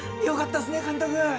よかったっすね監督。